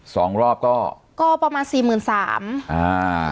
สองรอบก็ก็ประมาณสี่หมื่นสามอ่า